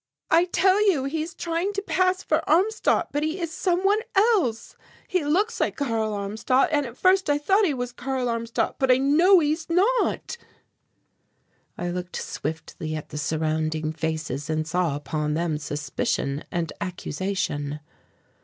"I tell you he is trying to pass for Armstadt but he is some one else. He looks like Karl Armstadt and at first I thought he was Karl Armstadt, but I know he is not." I looked swiftly at the surrounding faces, and saw upon them suspicion and accusation.